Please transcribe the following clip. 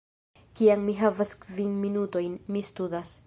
Kiam mi havas kvin minutojn, mi studas